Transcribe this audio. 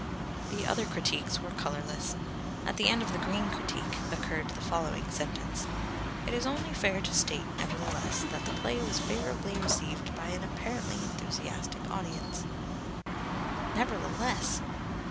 The other critiques were colourless. At the end of the green critique occurred the following sentence: "It is only fair to state, nevertheless, that the play was favourably received by an apparently enthusiastic audience." "Nevertheless!"